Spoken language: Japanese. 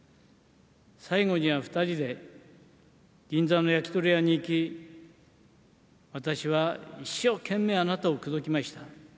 最後には２人で銀座の焼き鳥屋に行き、私は一生懸命、あなたを口説きました。